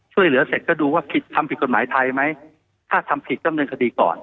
ช่วยเหลือเสร็จก็ดูว่าผิดทำผิดกฎหมายไทยไหมถ้าทำผิดต้องเนินคดีก่อน